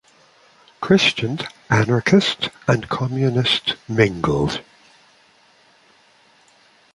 Christians, anarchists and communists mingled.